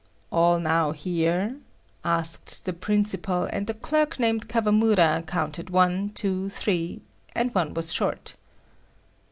"All now here?" asked the principal, and the clerk named Kawamura counted one, two, three and one was short.